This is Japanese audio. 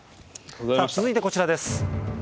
さあ、続いてこちらです。